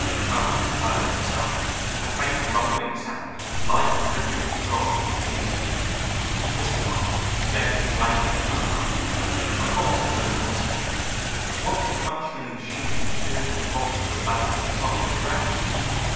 Talbot heard it himself, a faint rumbling sound, like the rhythmic throb of machinery. Mystified, he gazed blankly at Manuel. Of course it was impossible. What could functioning machinery be doing at the bottom of an abandoned hole in the ground?